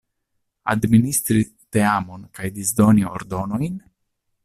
Administri teamon kaj disdoni ordonojn?